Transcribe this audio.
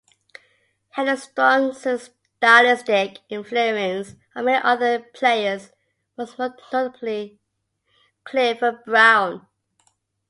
He had a strong stylistic influence on many other players, most notably Clifford Brown.